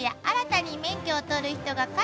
「新たに免許を取る人が」